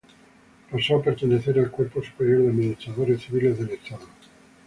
Pasó a pertenecer al Cuerpo Superior de Administradores Civiles del Estado.